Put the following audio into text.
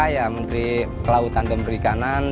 ya menteri kelautan dan perikanan